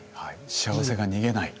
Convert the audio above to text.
幸せが逃げない。